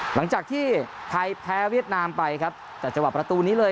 หลังจากที่ไทยแพ้เวียดนามไปครับแต่จังหวะประตูนี้เลย